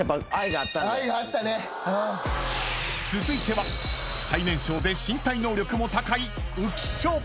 ［続いては最年少で身体能力も高い浮所］